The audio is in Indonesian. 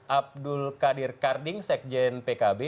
abdul qadir karding sekjen pkb